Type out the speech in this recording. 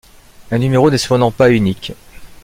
Un numéro n'est cependant pas unique.